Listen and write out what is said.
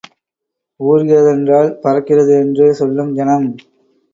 ஊர்கிறதென்றால் பறக்கிறது என்று சொல்லும் ஜனம்.